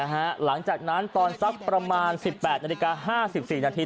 หลังจากนั้นตอนสักประมาณ๑๘นาฬิกา๕๔นาที